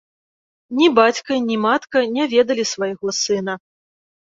Ні бацька, ні матка не ведалі свайго сына.